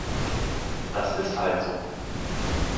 Das ist halt so.